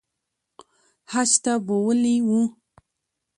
حج ته بوولي وو